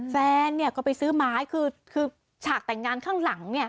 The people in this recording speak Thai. แฟนก็ไปซื้อไม้คือฉากแต่งงานข้างหลัง